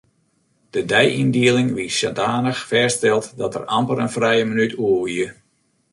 De deiyndieling wie sadanich fêststeld dat der amper in frije minút oer wie.